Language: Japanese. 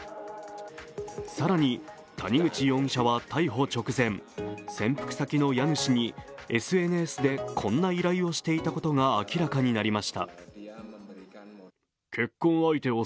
更に、谷口容疑者は逮捕直前、潜伏先の家主にＳＮＳでこんな依頼をしていたことが明らかになりました。